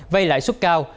vay lại sức cao